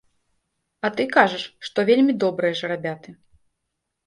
А ты кажаш, што вельмі добрыя жарабяты.